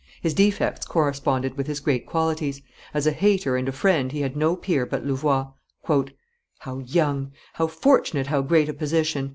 His defects corresponded with his great qualities. As a hater and a friend he had no peer but Louvois." "How young! how fortunate how great a position!"